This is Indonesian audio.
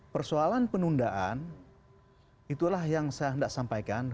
persoalan penundaan itulah yang saya hendak sampaikan